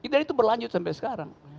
dan itu berlanjut sampai sekarang